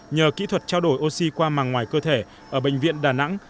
nhờ kỹ thuật trao đổi oxy qua màng ngoài cơ thể ở bệnh viện đà nẵng